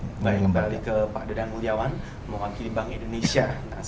baik balik ke pak dedan muliawan mewakili bank indonesia